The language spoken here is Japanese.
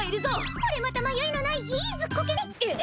これまた迷いのないいいずっこけね！